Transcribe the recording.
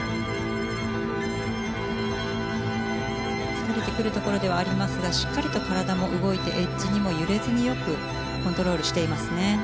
疲れてくるところではありますがしっかりと体も動いてエッジにも揺れずによくコントロールしていますね。